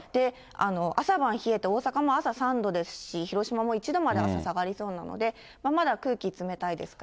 朝晩冷えて、大阪も朝３度ですし、広島も１度まで、朝下がりそうなので、まだ空気冷たいですから。